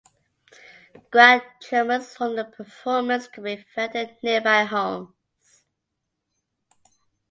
Ground tremors from the performance could be felt in nearby homes.